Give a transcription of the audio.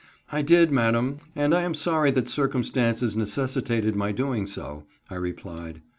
"I did, madam, and I am sorry that circumstances necessitated my doing so," I replied.